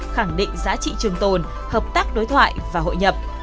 khẳng định giá trị trường tồn hợp tác đối thoại và hội nhập